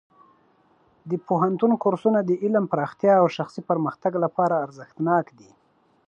د پوهنتون کورسونه د علم پراختیا او شخصي پرمختګ لپاره ارزښتناک دي.